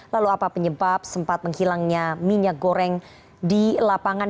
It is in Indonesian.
lalu apa penyebab sempat menghilangnya minyak goreng di lapangan